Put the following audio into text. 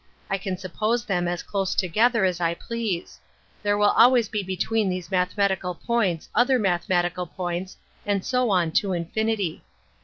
I can suppose them as close together as I please ; there will always be between these mathematical points other mathematical points, and so on to infinity.